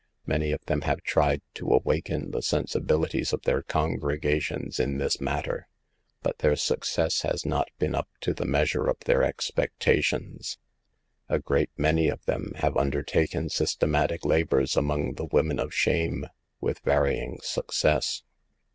Many of them have tried to awaken the sensibilities of their congregations in this matter, but their success has not been up to the measure of their expectations. A great many of them have undertaken systematic labors among the women of shame, with varying success.